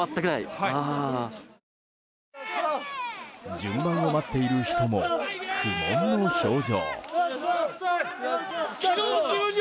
順番を待っている人も苦悶の表情。